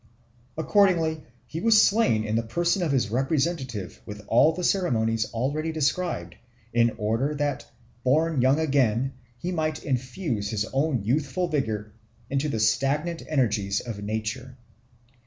Accordingly he was slain in the person of his representative, with all the ceremonies already described, in order that, born young again, he might infuse his own youthful vigour into the stagnant energies of nature.